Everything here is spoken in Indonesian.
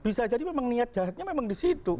bisa jadi memang niat jahatnya memang di situ